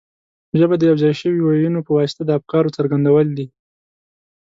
ژبه د یو ځای شویو وییونو په واسطه د افکارو څرګندول دي.